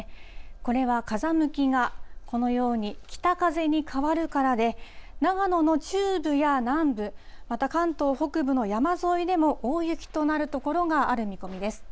これは風向きがこのように北風に変わるからで、長野の中部や南部、また関東北部の山沿いでも、大雪となる所がある見込みです。